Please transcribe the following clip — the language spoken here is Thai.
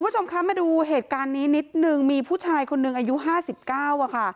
คุณผู้ชมคะมาดูเหตุการณ์นี้นิดนึงมีผู้ชายคนหนึ่งอายุห้าสิบเก้าอะค่ะ